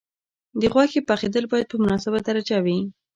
د غوښې پخېدل باید په مناسبه درجه وي.